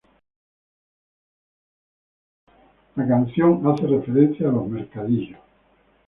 La canción hace referencia a los mercadillos.